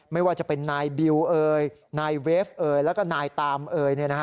ไม่ว่าจะเป็นนายบิวเอยนายเวฟเอ๋ยแล้วก็นายตามเอย